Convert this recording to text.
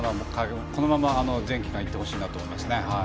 このまま全期間いってほしいなと思いましたね。